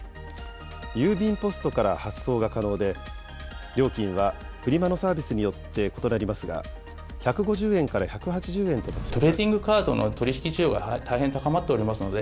郵便ポストから発送が可能で、料金はフリマのサービスによって異なりますが、１５０円から１８０円となっています。